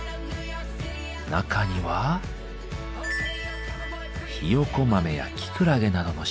中にはひよこ豆やキクラゲなどの食材が。